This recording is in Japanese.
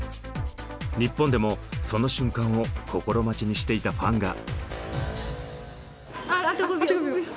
日本でもその瞬間を心待ちにしていたファンが。